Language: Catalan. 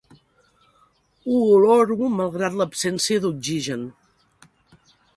Ho oloro malgrat l'absència d'oxigen.